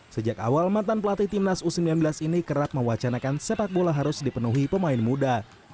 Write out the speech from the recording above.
sejak awal mantan pelatih timnas u sembilan belas ini kerap mewacanakan sepak bola harus dipenuhi pemain muda